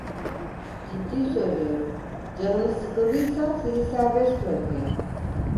Ciddi söylüyorum, canınız sıkıldıysa sizi serbest bırakayım!